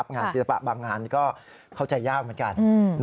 ศิลปะบางงานก็เข้าใจยากเหมือนกัน